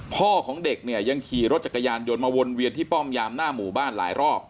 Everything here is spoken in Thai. พ่อของเด็กเนี่ยยังขี่รถจักรยานยนต์มาวนเวียนที่ป้อมยามหน้าหมู่บ้านหลายรอบ